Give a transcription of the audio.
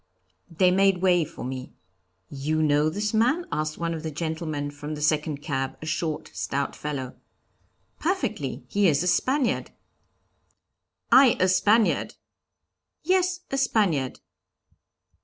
They made way for me. 'You know this man?' asked one of the gentlemen from the second cab, a short, stout fellow. 'Perfectly; he is a Spaniard.' 'I a Spaniard!' 'Yes, a Spaniard.'